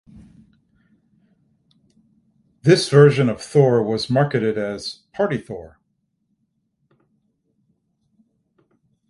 This version of Thor was marketed as "Party Thor".